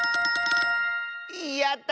やった！